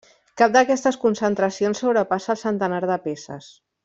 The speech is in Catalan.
Cap d'aquestes concentracions sobrepassa el centenar de peces.